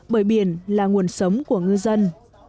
bởi biển là nguồn sống của ngư dân